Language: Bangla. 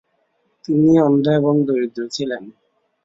তিনি অন্ধ এবং দরিদ্র ছিলেন।